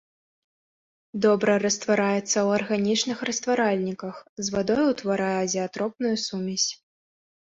Добра раствараецца ў арганічных растваральніках, з вадой утварае азеатропную сумесь.